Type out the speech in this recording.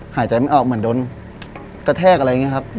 หายใจไม่ออกเหมือนโดนกระแทกอะไรอย่างนี้ครับ